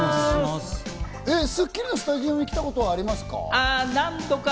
『スッキリ』のスタジオに来たことはありますか？